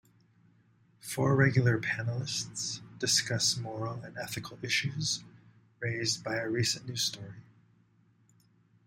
Four regular panellists discuss moral and ethical issues raised by a recent news story.